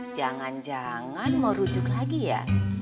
jangan jangan mau rujuk lagi ya